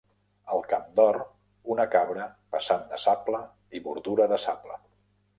En camp d'or, una cabra passant de sable i bordura de sable.